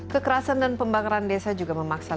kekerasan dan pembakaran desa juga memaksa